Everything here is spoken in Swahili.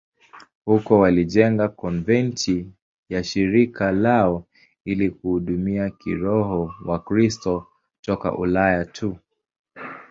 Huko walijenga konventi ya shirika lao ili kuhudumia kiroho Wakristo toka Ulaya tu.